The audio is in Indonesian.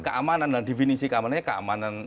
keamanan dan definisi keamanannya keamanan